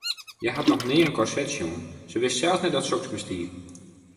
Hja hat noch nea in korset sjoen, se wist sels net dat soks bestie.